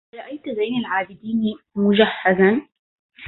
أرأيت زين العابدين مجهزا